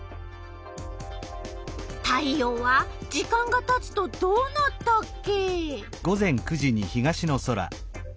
太陽は時間がたつとどうなったっけ？